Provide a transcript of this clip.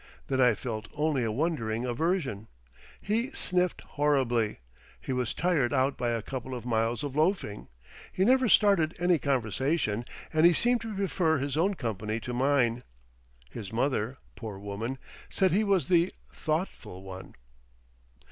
Then I felt only a wondering aversion. He sniffed horribly, he was tired out by a couple of miles of loafing, he never started any conversation, and he seemed to prefer his own company to mine. His mother, poor woman, said he was the "thoughtful one."